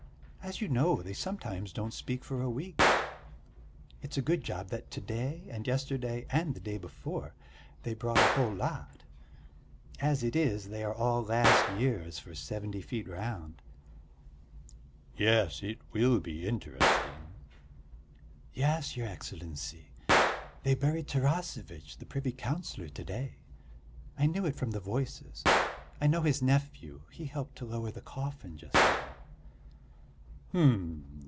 As you know, they sometimes don't speak for a week. It's a good job that to day and yesterday and the day before they brought a whole lot. As it is, they are all last year's for seventy feet round." "Yes, it will be interesting." "Yes, your Excellency, they buried Tarasevitch, the privy councillor, to day. I knew it from the voices. I know his nephew, he helped to lower the coffin just now."